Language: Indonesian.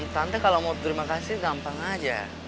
tante kalau mau terima kasih gampang aja